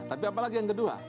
tapi apalagi yang kedua